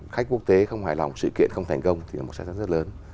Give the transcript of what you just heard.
khách quốc tế không hài lòng sự kiện không thành công thì là một sai sót rất lớn